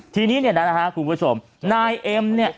ทีนี้นะครับคุณผู้ชมนายเอ็มเนี่ย